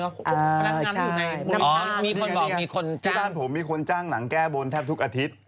พี่ตาต้มมีคนปิ้งด้านของผมมีคนจ้างหนังแก้บนแทบทุกอาทิตย์